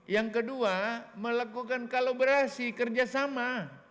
yang kedua melakukan kolaborasi kerjasama